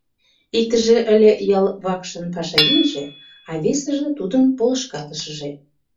Иктыже ыле ял вакшын пашаеҥже, а весыже – тудын полышкалышыже.